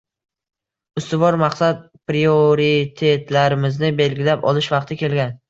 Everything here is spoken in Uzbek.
Ustuvor maqsad — prioritetlarimizni belgilab olish vaqti kelgan.